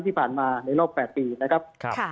ทีมัติเดี๋ยวนะครับ